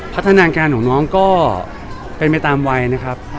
พัฒนาการของน้องก็เป็นไปตามวัยนะครับ